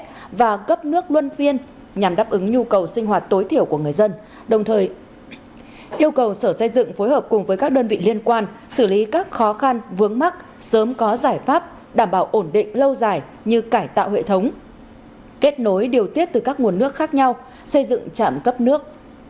họ đã tập trung chỉ đạo cấp nước luân phiên nhằm đáp ứng nhu cầu sinh hoạt tối thiểu của người dân đồng thời yêu cầu sở dây dựng phối hợp cùng với các đơn vị liên quan xử lý các khó khăn vướng mắt sớm có giải pháp đảm bảo ổn định lâu dài như cải tạo hệ thống kết nối điều tiết từ các nguồn nước khác nhau xây dựng chạm cấp nước